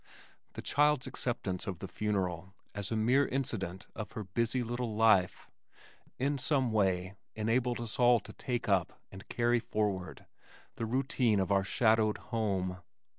The child's acceptance of the funeral as a mere incident of her busy little life, in some way enabled us all to take up and carry forward the routine of our shadowed home.